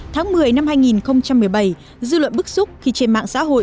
tháng một mươi năm hai nghìn một mươi bảy dư luận bức xúc khi trên mạng xã hội